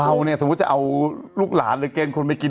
เราสมมุติจะเอาลูกหลานหรือเกรงคุณไปกิน